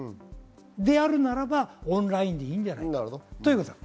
であるならオンラインでいいじゃないかということです。